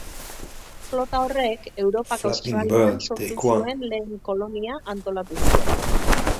Flota horrek Europak Australian sortu zuen lehen kolonia antolatu zuen.